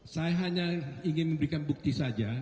saya hanya ingin memberikan bukti saja